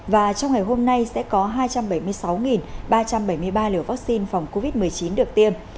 và trong ngày hôm nay sẽ có hai trăm bảy mươi sáu ba trăm bảy mươi ba liều vaccine phòng covid một mươi chín được tiêm